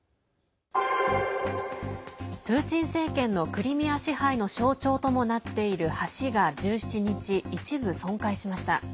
プーチン政権のクリミア支配の象徴ともなっている橋が１７日一部損壊しました。